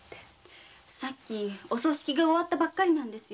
さっきお葬式が終ったばかりなんです。